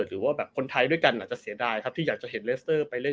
หรือว่าแบบคนไทยด้วยกันอาจจะเสียดายครับที่อยากจะเห็นเลสเตอร์ไปเล่น